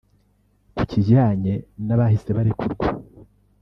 Ku kijyanye n’abahise barekurwa